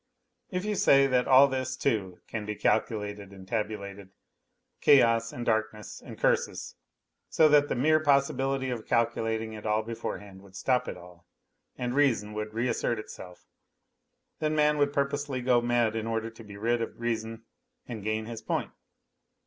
If you say that all this, too, can be calculated and tabulated chaos and darkness and curses, so that the mere possibility of calculating it all beforehand would stop it all, and reason would reassert itself, then man would purposely go mad in order to be rid of reason and gain his point